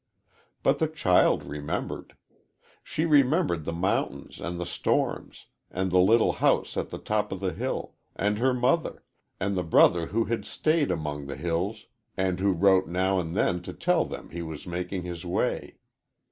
"But the child remembered. She remembered the mountains and the storms, and the little house at the top of the hill, and her mother, and the brother who had stayed among the hills, and who wrote now and then to tell them he was making his way.